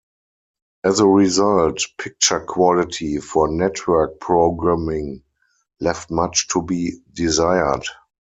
As a result, picture quality for network programming left much to be desired.